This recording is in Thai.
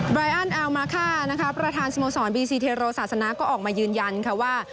รายอันแอลมาค่านะคะประธานสโมสรบีซีเทโรศาสนาก็ออกมายืนยันค่ะว่า